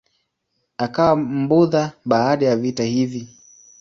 Akawa Mbudha baada ya vita hivi.